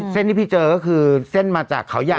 เส้นที่พี่เจอก็คือเส้นมาจากเขาใหญ่